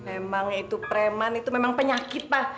emang itu preman itu memang penyakit lah